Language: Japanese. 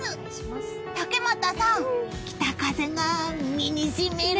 竹俣さん、北風が身に染みる。